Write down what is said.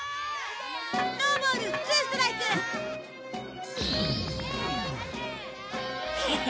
ノーボールツーストライク！へへ